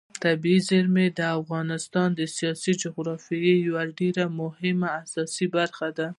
طبیعي زیرمې د افغانستان د سیاسي جغرافیې یوه ډېره مهمه او اساسي برخه ده.